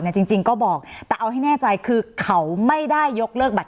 สนับสนุนโดยพี่โพเพี่ยวสะอาดใสไร้คราบ